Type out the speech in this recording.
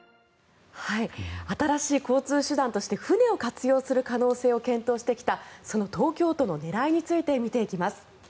新しい交通手段として船を活用する可能性を検討してきたその東京都の狙いについて見ていきます。